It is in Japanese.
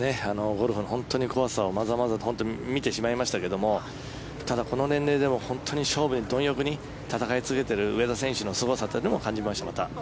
ゴルフの、本当に怖さをまざまざと見てしまいましたけどもただ、この年齢でも本当に勝負にどん欲に戦い続けている上田選手のすごさというのもまた感じました。